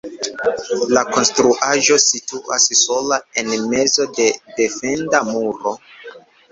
La konstruaĵo situas sola en mezo de defenda muro.